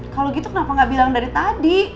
kalo gitu kenapa ga bilang dari tadi